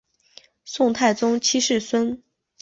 宋太宗七世孙。